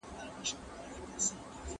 ¬ چرگه چي ببره سي، بده جناوره سي.